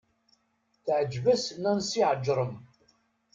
Teεǧeb-as Nansi Ԑeǧrem.